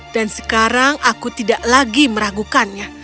dan sekarang aku tidak lagi meragukannya